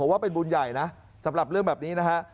ว่าเป็นบุญใหญ่นะสำหรับเรื่องแบบนี้นะฮะ